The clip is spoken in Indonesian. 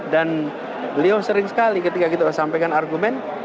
dan beliau sering sekali ketika kita sampaikan argumen